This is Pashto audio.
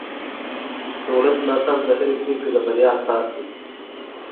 د ولس ملاتړ د هرې پرېکړې د بریا اساس دی